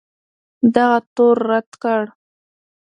دغه تور رد کړ